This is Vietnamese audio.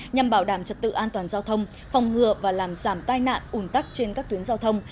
nhằm bảo đảm trật tự an toàn giao thông phòng ngừa và làm giảm tai nạn ủn tắc trên các tuyến giao thông